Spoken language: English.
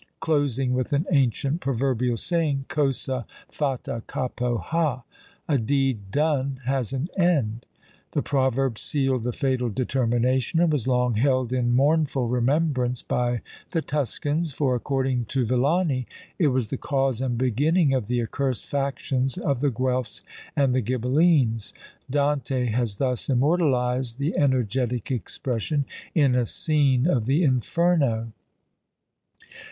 closing with an ancient proverbial saying cosa fatta capo ha! "a deed done has an end!" The proverb sealed the fatal determination, and was long held in mournful remembrance by the Tuscans; for, according to Villani, it was the cause and beginning of the accursed factions of the Guelphs and the Ghibellines. Dante has thus immortalised the energetic expression in a scene of the "Inferno."